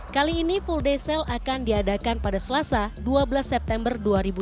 kali ini full day sale akan diadakan pada selasa dua belas september dua ribu dua puluh